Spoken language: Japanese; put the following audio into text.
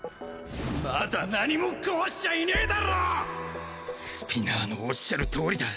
まだ何も壊しちゃいねぇだスピナーの仰るとおりだ。